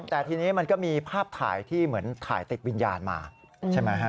แต่ทีนี้มันก็มีภาพถ่ายที่เหมือนถ่ายติดวิญญาณมาใช่ไหมฮะ